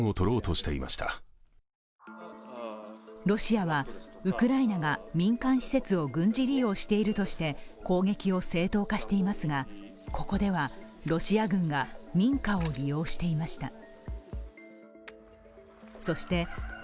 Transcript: ロシアはウクライナが民間施設を軍事利用しているとして攻撃を正当化していますが、ここではロシア軍が民家を利用していました。